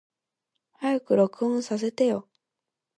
早く録音させてよ。